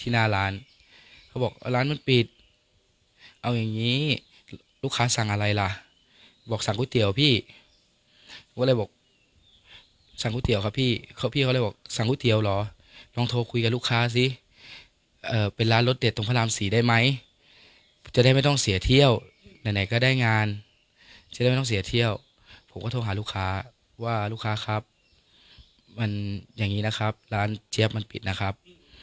หน้าร้านเขาบอกร้านมันปิดเอาอย่างนี้ลูกค้าสั่งอะไรล่ะบอกสั่งก๋วยเตี๋ยวพี่ผมก็เลยบอกสั่งก๋วยเตี๋ยวครับพี่เขาพี่เขาเลยบอกสั่งก๋วยเตี๋ยวเหรอลองโทรคุยกับลูกค้าสิเป็นร้านรสเด็ดตรงพระรามสี่ได้ไหมจะได้ไม่ต้องเสียเที่ยวไหนก็ได้งานจะได้ไม่ต้องเสียเที่ยวผมก็โทรหาลูกค้าว่าลูกค้าครับมันอย่างนี้นะครับร้านเจี๊ยบมันปิดนะครับ